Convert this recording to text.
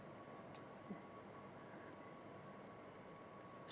dan tidak mau saya menjawab asal asalan